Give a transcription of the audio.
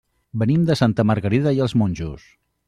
Venim de Santa Margarida i els Monjos.